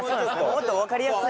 もっとわかりやすい。